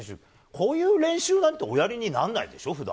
こういう練習なんておやりにならないでしょ、普段。